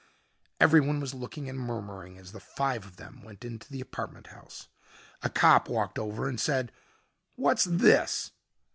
Everyone was looking and murmuring as the five of them went into the apartment house. A cop walked over and said, "What's this?"